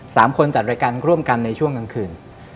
สามคนจัดรายการร่วมกันในช่วงกลางคืน